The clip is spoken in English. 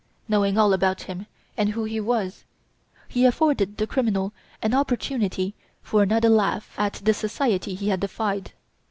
Knowing all about him and who he was, he afforded the criminal an opportunity for another laugh at the society he had defied!